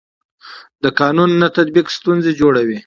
د قانون نه تطبیق ستونزې جوړوي